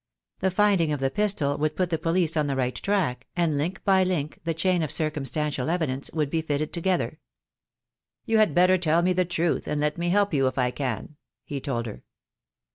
The finding of the pistol would put the police on the right track, and link by link the chain of circumstantial evidence would be fitted together. "You had better tell me the truth, and let me help you, if I can," he told her.